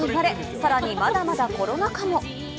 さらにまだまだコロナ禍も。